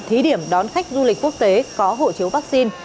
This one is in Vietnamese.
thí điểm đón khách du lịch quốc tế có hộ chiếu vaccine